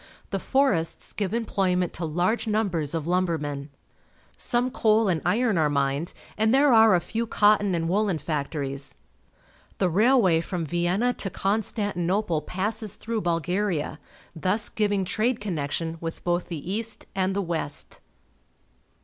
The forests give emploj'ment to large numbers of lumbermen. Some coal and iron are mined, and there are a few cotton and woollen factories. The railway from Vienna to Constantinople passes through Bulgaria, thus giving trade connection with both the east and the west.